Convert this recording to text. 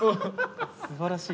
すばらしい。